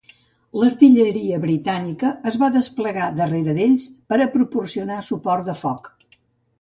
L'artilleria britànica es va desplegar darrere d'ells per a proporcionar suport de foc.